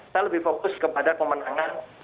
saya lebih fokus kepada pemenangan